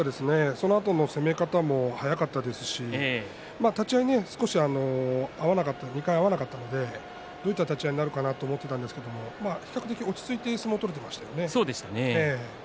そのあとの攻め方が速かったですし立ち合い少し合わなかった２回合わなかったのでどういった立ち合いになるかなと思っていたんですけど比較的、落ち着いて相撲を取れていましたね。